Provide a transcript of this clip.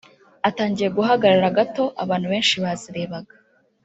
atangiye guhagarara gato abantu benshi bazirebaga